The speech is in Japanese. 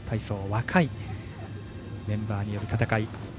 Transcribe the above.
若いメンバーによる戦い。